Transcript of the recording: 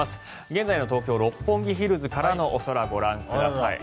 現在の東京・六本木ヒルズからのお空、ご覧ください。